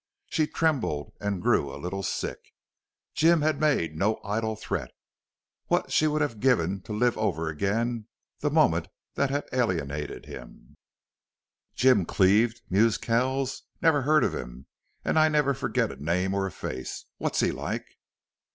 She trembled, and grew a little sick. Jim had made no idle threat. What would she have given to live over again the moment that had alienated him? "Jim Cleve," mused Kells. "Never heard of him. And I never forget a name or a face. What's he like?"